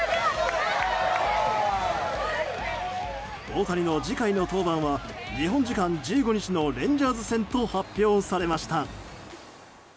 大谷の次回の登板は日本時間１５日のレンジャーズ戦と発表されました。